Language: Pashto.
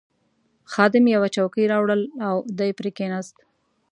خادم یوه چوکۍ راوړل او دی پرې کښېناست.